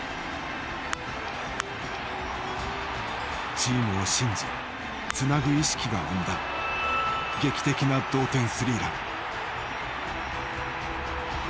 チームを信じつなぐ意識が生んだ劇的な同点スリーラン。